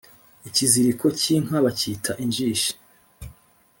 Ikiziriko cy’Inkabacyita injishi